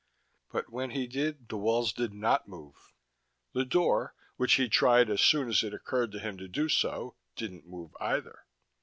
But, when he did, the walls did not move. The door, which he tried as soon as it occurred to him to do so, didn't move either.